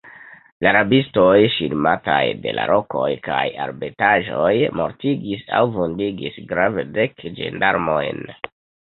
La rabistoj, ŝirmataj de la rokoj kaj arbetaĵoj, mortigis aŭ vundigis grave dek ĝendarmojn.